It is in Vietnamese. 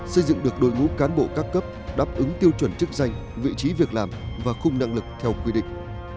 xây dựng được đội ngũ cán bộ các cấp đáp ứng tiêu chuẩn chức danh vị trí việc làm và khung năng lực theo quy định